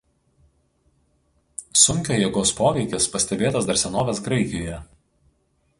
Sunkio jėgos poveikis pastebėtas dar senovės Graikijoje.